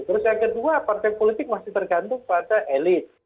terus yang kedua partai politik masih tergantung pada elit